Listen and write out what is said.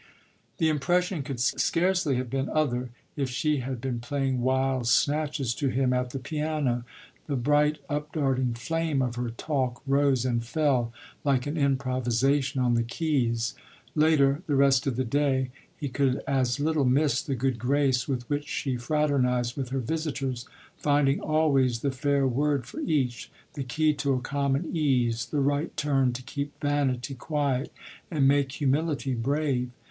The impression could scarcely have been other if she had been playing wild snatches to him at the piano: the bright up darting flame of her talk rose and fell like an improvisation on the keys. Later, the rest of the day, he could as little miss the good grace with which she fraternised with her visitors, finding always the fair word for each the key to a common ease, the right turn to keep vanity quiet and make humility brave.